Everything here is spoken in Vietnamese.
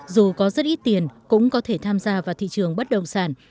dù có rất ít tiền cũng có thể tham gia vào thị trường bất động sản